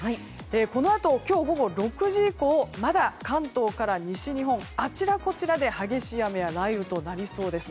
このあと、今日午後６時以降まだ関東から西日本あちらこちらで激しい雨や雷雨となりそうです。